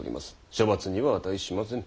処罰には値しませぬ。